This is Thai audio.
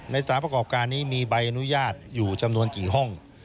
สารประกอบการนี้มีใบอนุญาตอยู่จำนวนกี่ห้อง